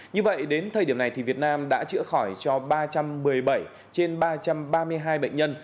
như vậy đến thời điểm này việt nam đã chữa khỏi cho ba trăm một mươi bảy trên ba trăm ba mươi hai bệnh nhân